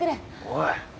おい。